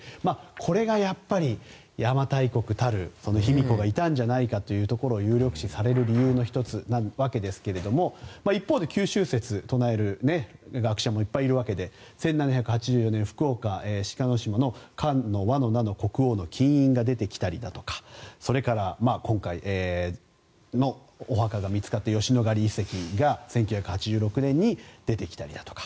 これがやっぱり邪馬台国たる卑弥呼がいたんじゃないかということが有力視される理由の１つなわけですが一方で九州説を唱える学者もいっぱいいるわけで１７８４年、福岡・志賀島の漢委奴国王の金印が出てきたりだとかそれから今回のお墓が見つかった吉野ヶ里遺跡が１９８６年に出てきたりだとか。